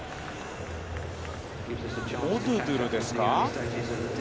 オドゥドゥルですか？